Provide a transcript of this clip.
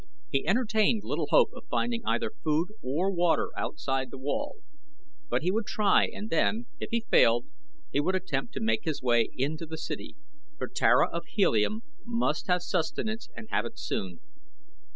He entertained little hope of finding either food or water outside the wall, but he would try and then, if he failed, he would attempt to make his way into the city, for Tara of Helium must have sustenance and have it soon.